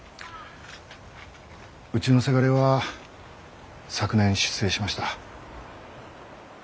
うちのせがれは昨年出征しました。